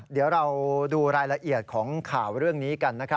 เดี๋ยวเราดูรายละเอียดของข่าวเรื่องนี้กันนะครับ